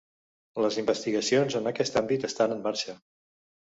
Les investigacions en aquest àmbit estan en marxa.